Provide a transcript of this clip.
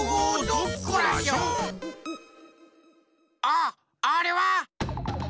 あっあれは！